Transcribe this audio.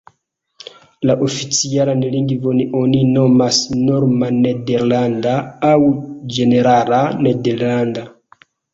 La oficialan lingvon oni nomas Norma Nederlanda, aŭ Ĝenerala Nederlanda.